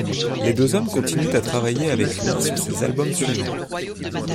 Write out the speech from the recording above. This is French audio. Les deux hommes continuent à travailler avec lui sur ses albums suivants.